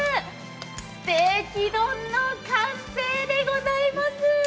ステーキ丼の完成でございます。